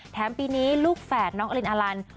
ปีนี้ลูกแฝดน้องอลินอลัน